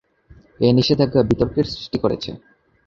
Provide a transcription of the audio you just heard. এ নিষেধাজ্ঞা বিতর্কের সৃষ্টি করেছে।